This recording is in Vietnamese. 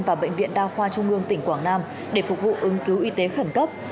và bệnh viện đa khoa trung ương tỉnh quảng nam để phục vụ ứng cứu y tế khẩn cấp